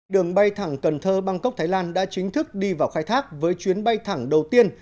đường bay thẳng cần thơ bangkok thái lan đã chính thức đi vào khai thác với chuyến bay thẳng đầu tiên